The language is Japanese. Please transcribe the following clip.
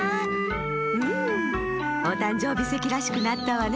うんおたんじょうびせきらしくなったわね。